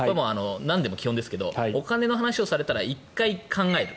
なんでも基本ですけどお金の話をされたら１回、考える。